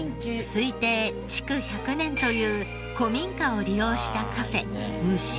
推定築１００年という古民家を利用したカフェ無心庵。